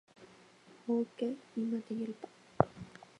hoyke imaterial-pa.